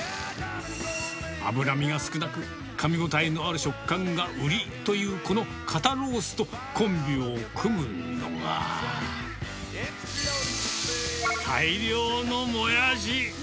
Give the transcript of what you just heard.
脂身が少なく、かみごたえのある食感が売りというこの肩ロースとコンビを組むのが、大量のもやし。